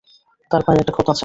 তার পায়ে একটা ক্ষত আছে।